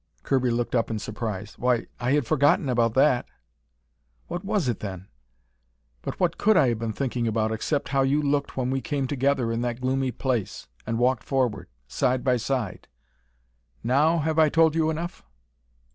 Kirby looked up in surprise. "Why, I had forgotten about that!" "What was it, then?" "But what could I have been thinking about except how you looked when we came together in that gloomy place, and walked forward, side by side? Now have I told you enough?"